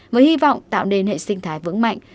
với hy vọng tạo nên hệ sinh thái vững mạnh